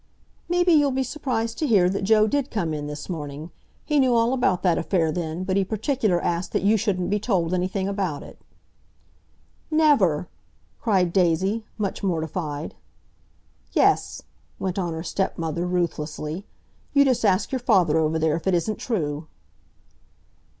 "Maybe you'll be surprised to hear that Joe did come in this morning. He knew all about that affair then, but he particular asked that you shouldn't be told anything about it." "Never!" cried Daisy, much mortified. "Yes," went on her stepmother ruthlessly. "You just ask your father over there if it isn't true."